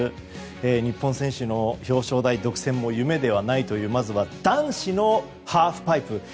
日本選手の表彰台独占も夢ではないというまずは男子のハーフパイプ。